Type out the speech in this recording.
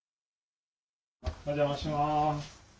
お邪魔します。